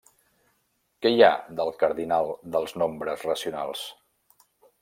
Què hi ha del cardinal dels nombres racionals?